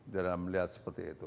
dalam melihat seperti itu